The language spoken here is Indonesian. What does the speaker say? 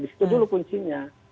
itu dulu kuncinya